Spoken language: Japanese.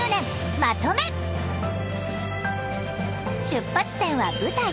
出発点は舞台。